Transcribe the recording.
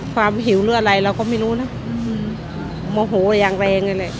หิวหรืออะไรเราก็ไม่รู้นะโมโหอย่างแรงเลยแหละ